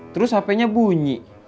terus hp nya bunyi